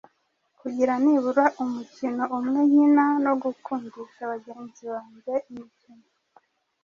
Kugira nibura umukino umwe nkina no gukundisha bagenzi bange imikino